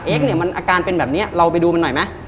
เอ็กซ์เนี่ยมันอาการเป็นแบบนี้เราไปดูมันหน่อยมั้ย